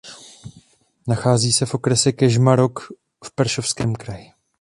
Nachází se v okrese Kežmarok v Prešovském kraji.